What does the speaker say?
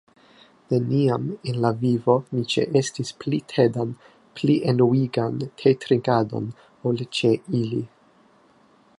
"Neniam en la vivo mi ĉeestis pli tedan pli enuigan tetrinkadon ol ĉe ili."